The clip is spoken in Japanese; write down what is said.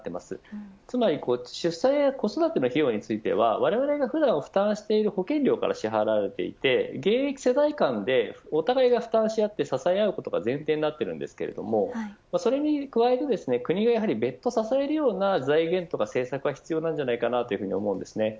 つまり出産や子育ての費用はわれわれが負担している保険料から支払われていて現役世代間でお互いが負担しあって支え合うことが前提になっていますがそれに加えて国が別途支えるような財源とか政策が必要だと思います。